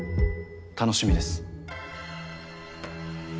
楽しみです。